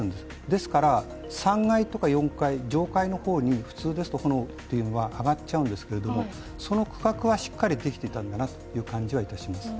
ですから、３階とか４階、上階の方に普通ですと炎は上がっちゃうんですけどその区画はしっかりできていたんだなという感じは受けますね。